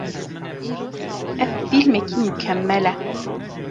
Ev fîlmekî mukemel e.